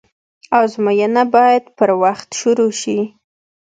آزموينه بايد پر وخت شروع سي.